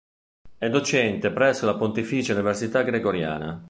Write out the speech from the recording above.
È docente presso la Pontificia Università Gregoriana.